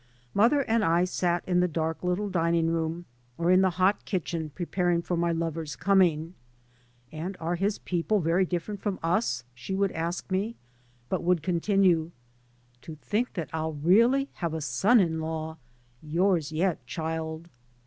Mother and I sat tn the dark little dining: room or in the hot kitchen preparing for my lover's coming. " And are his people very 3 by Google MY MOTHER AND I different from us?" she would ask me, but would continue, " To think that I'll really hare a son in law, yours yet, childie."